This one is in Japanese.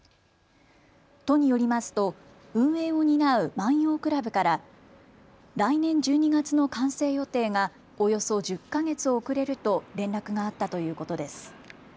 都によりますと運営を担う万葉倶楽部から来年１２月の完成予定がおよそ１０か月遅れると連絡があったということです。